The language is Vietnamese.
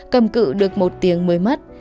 cầm cự được một tiếng mới mất